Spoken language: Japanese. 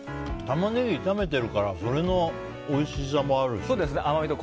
タマネギ炒めてるからそれのおいしさもあるしね。